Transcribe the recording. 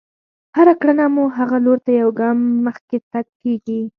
هره کړنه مو هغه لور ته يو ګام مخکې تګ کېږي.